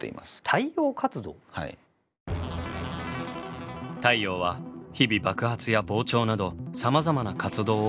太陽は日々爆発や膨張などさまざまな活動を行っています。